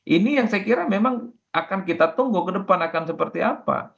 ini yang saya kira memang akan kita tunggu ke depan akan seperti apa